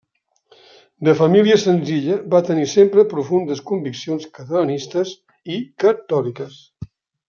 De família senzilla, va tenir sempre profundes conviccions catalanistes i catòliques.